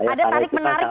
ada tarik menarik dong